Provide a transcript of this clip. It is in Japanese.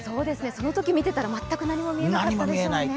そのとき見てたら全く何も見えなかったでしょうね。